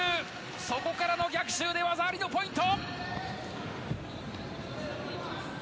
そこからの逆襲で技ありのポイント！